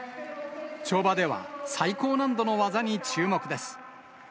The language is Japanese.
跳馬では最高難度の技に注目です。